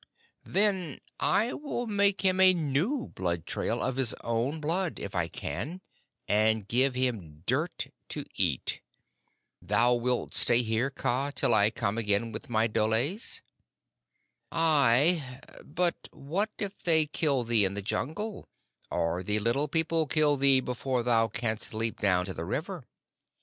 "Then I will make him a new blood trail, of his own blood, if I can, and give him dirt to eat. Thou wilt stay here, Kaa, till I come again with my dholes?" "Ay, but what if they kill thee in the Jungle, or the Little People kill thee before thou canst leap down to the river?"